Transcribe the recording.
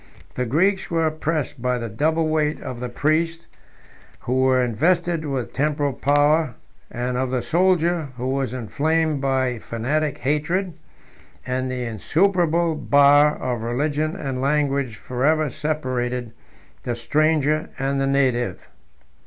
The Greeks were oppressed by the double weight of the priests, who were invested with temporal power, and of the soldier, who was inflamed by fanatic hatred; and the insuperable bar of religion and language forever separated the stranger and the native.